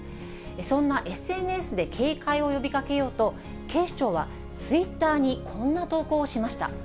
そんなＳＮＳで警戒を呼びかけようと、警視庁は、ツイッターにこんな投稿をしました。